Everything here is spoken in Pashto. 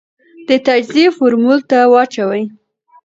د تجزیې فورمول ته واچوې ،